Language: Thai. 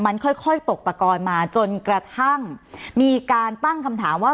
มันค่อยตกตะกอนมาจนกระทั่งมีการตั้งคำถามว่า